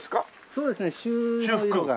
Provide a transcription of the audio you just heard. そうですね朱の色が。